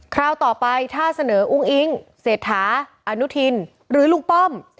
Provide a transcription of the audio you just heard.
คราวต่อไปถ้าเสนออุ้งอิ๊งเศรษฐาอนุทินหรือลุงป้อม